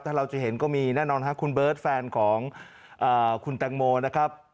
ถ้าเราจะเห็นก็มีแน่นอนครับคุณเบิร์ตแฟนของคุณแตงโมนะครับ